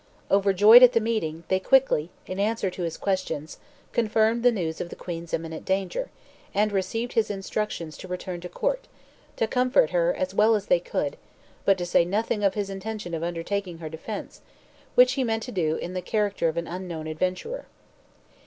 Overjoyed at the meeting, they quickly, in answer to his questions, confirmed the news of the queen's imminent danger, and received his instructions to return to court, to comfort her as well as they could, but to say nothing of his intention of undertaking her defence, which he meant to do in the character of an unknown adventurer.